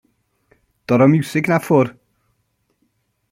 Rho'r miwsig 'na ffwrdd.